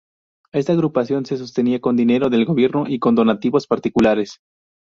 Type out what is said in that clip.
Esta agrupación se sostenía con dinero del gobierno y con donativos particulares.